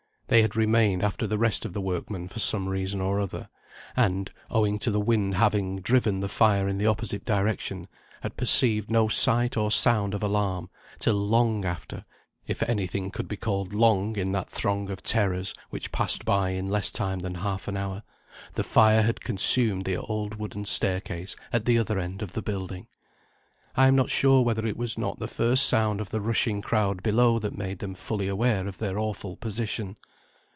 They had remained after the rest of the workmen for some reason or other, and, owing to the wind having driven the fire in the opposite direction, had perceived no sight or sound of alarm, till long after (if any thing could be called long in that throng of terrors which passed by in less time than half an hour) the fire had consumed the old wooden staircase at the other end of the building. I am not sure whether it was not the first sound of the rushing crowd below that made them fully aware of their awful position.